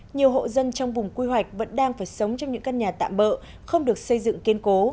nhiều hộ dân trong vùng quy hoạch vẫn đang phải sống trong những căn nhà tạm bỡ không được xây dựng kiên cố